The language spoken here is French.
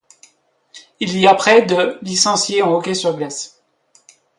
Il y a près de licenciés en hockey sur glace.